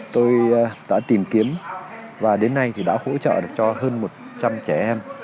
tôi đã tìm kiếm và đến nay thì đã hỗ trợ được cho hơn một trăm linh trẻ em